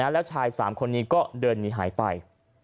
แล้วชาย๓คนนี้ก็เดินหนีหายไป